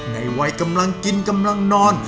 ในวัยกำลังกินกำลังนอน